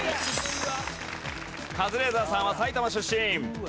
カズレーザーさんは埼玉出身。